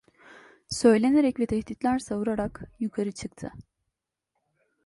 Söylenerek ve tehditler savurarak yukarı çıktı.